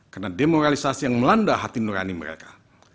karena demoralisasi yang melanda hati nurani mereka